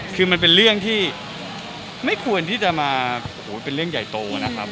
คือมันเป็นเรื่องที่ไม่ควรที่จะมาโอ้โหเป็นเรื่องใหญ่โตนะครับ